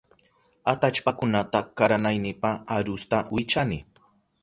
Atallpakunata karanaynipa arusta wichani.